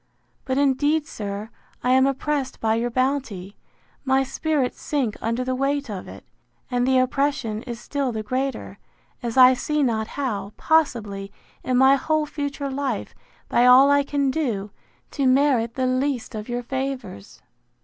But indeed, sir, I am oppressed by your bounty; my spirits sink under the weight of it; and the oppression is still the greater, as I see not how, possibly, in my whole future life, by all I can do, to merit the least of your favours.